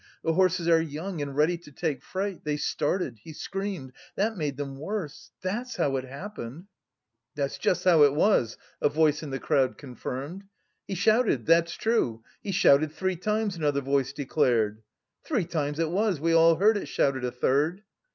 The horses are young and ready to take fright... they started, he screamed... that made them worse. That's how it happened!" "That's just how it was," a voice in the crowd confirmed. "He shouted, that's true, he shouted three times," another voice declared. "Three times it was, we all heard it," shouted a third.